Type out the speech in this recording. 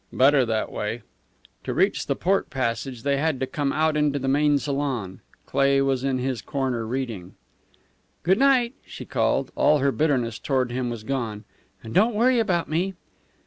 "Better that way." To reach the port passage they had to come out into the main salon. Cleigh was in his corner reading. "Good night," she called. All her bitterness toward him was gone. "And don't worry about me."